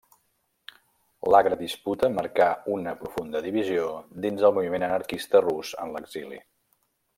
L'agra disputa marcà una profunda divisió dins el moviment anarquista rus en l'exili.